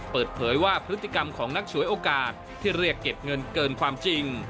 เปิดเผยว่าพฤติกรรมของนักฉวยโอกาสที่เรียกเก็บเงินเกินความจริง